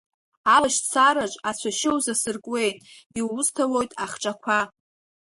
Алашьцараҿ ацәашьы узасыркуеит, иусҭалоит ахҿақәа…